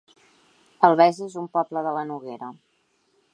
Albesa es un poble de la Noguera